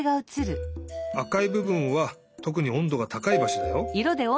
あかいぶぶんはとくにおんどがたかいばしょだよ。